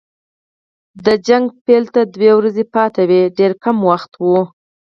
د جګړې پیل ته دوه ورځې پاتې وې، ډېر کم وخت وو.